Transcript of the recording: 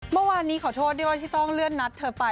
เมื่อวานนี้ขอโทษด้วยว่าที่ต้องเลื่อนนัดเธอไป